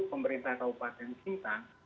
pemerintah kabupaten sintang